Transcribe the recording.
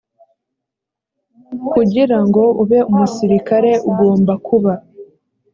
kugira ngo ube umusirikare ugomba kuba